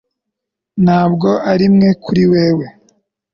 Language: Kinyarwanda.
Ntabwo arimwe kuri wewe